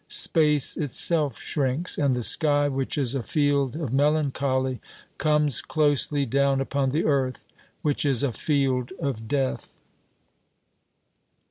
Space itself shrinks; and the sky, which is a field of melancholy, comes closely down upon the earth, which is a field of death.